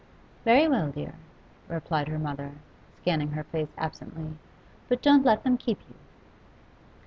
'Very well, dear,' replied her mother, scanning her face absently. 'But don't let them keep you.